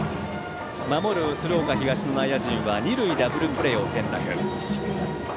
守る鶴岡東の内野陣は二塁ダブルプレーを選択。